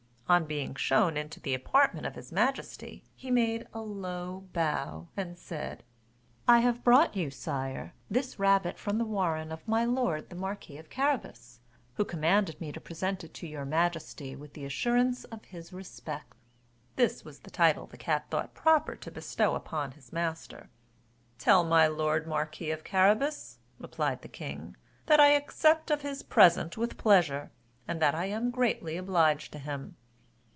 On being shown into the apartment of his majesty, he made a low bow, and said, "I have brought you, sire, this rabbit from the warren of my lord the marquis of Carabas, who commanded me to present it to your majesty with the assurance of his respect." (This was the title the cat thought proper to bestow upon his master.) "Tell my lord marquis of Carabas," replied the king, "that I accept of his present with pleasure, and that I am greatly obliged to him."